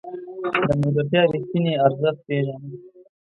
د ملګرتیا رښتیني ارزښت پېژنه.